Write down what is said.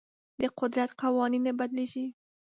د قدرت قوانین نه بدلیږي.